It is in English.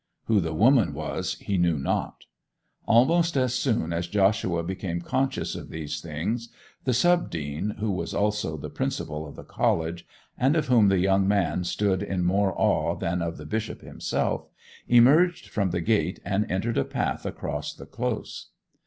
Who the woman was he knew not. Almost as soon as Joshua became conscious of these things, the sub dean, who was also the principal of the college, and of whom the young man stood in more awe than of the Bishop himself, emerged from the gate and entered a path across the Close.